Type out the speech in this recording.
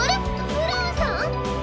ブラウンさん？